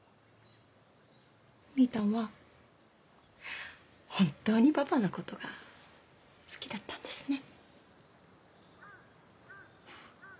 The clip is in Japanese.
みぃたんは本当にパパのことが好きだったんですね。